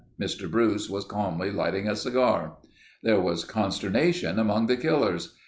Mr. Bruce was calmly lighting a cigar. There was consternation among the killers.